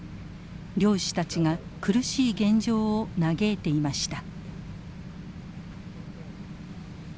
漁師たちが苦しい現状を嘆いていました。